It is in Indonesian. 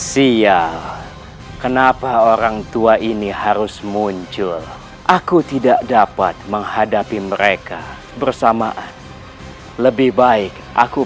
siap kenapa orang tua ini harus muncul aku tidak dapat menghadapi mereka bersamaan lebih baik aku